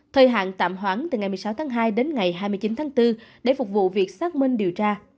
thời hạn tạm hoãn từ ngày một mươi sáu tháng hai đến ngày hai mươi chín tháng bốn để phục vụ việc xác minh điều tra